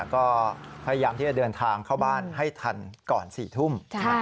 ก็พยายามที่จะเดินทางเข้าบ้านให้ทันก่อน๔ทุ่ม